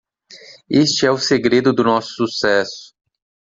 Este é o segredo do nosso sucesso